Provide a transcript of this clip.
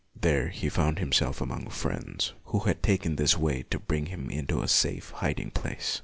There he found himself among friends, who had taken this way to bring him into a safe hiding place.